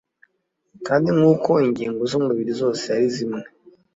kandi nk'uko ingingo z'umubiri zose ari zimwe,